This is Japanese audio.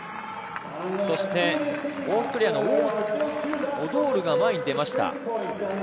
そしてオーストリアのオドールが前に出ました。